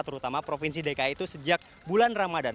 terutama provinsi dki itu sejak bulan ramadan